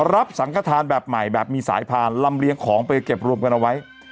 สังขทานแบบใหม่แบบมีสายพานลำเลียงของไปเก็บรวมกันเอาไว้